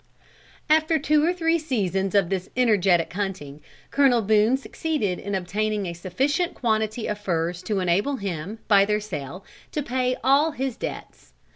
After two or three seasons of this energetic hunting, Colonel Boone succeeded in obtaining a sufficient quantity of furs to enable him, by their sale, to pay all his debts.